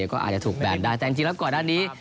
ก็อาจจะถูกแบนได้แต่จริงแล้วก่อนหน้านี้